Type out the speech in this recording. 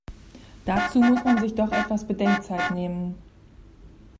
Dazu muss man sich doch etwas Bedenkzeit nehmen!